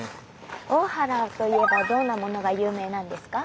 大原といえばどんなものが有名なんですか？